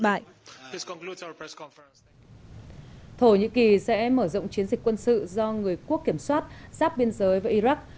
thổ nhĩ kỳ sẽ mở rộng chiến dịch quân sự do người quốc kiểm soát giáp biên giới với iraq